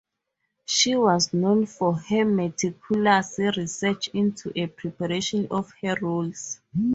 She was known for her meticulous research into and preparation of her roles.